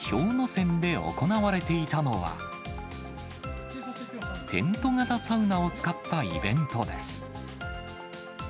山で行われていたのは、テント型サウナを使ったイベントです。